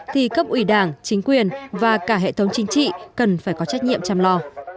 thì cấp ủy đảng chính quyền và cả hệ thống chính trị cần phải có trách nhiệm chăm lo